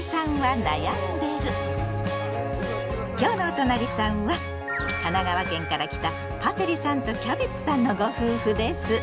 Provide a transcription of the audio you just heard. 今日の「おとなりさん」は神奈川県から来たパセリさんとキャベツさんのご夫婦です。